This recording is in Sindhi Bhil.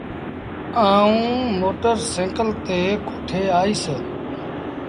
آئوٚݩ موٽر سآئيٚڪل تي ڪوٺي آئيٚس۔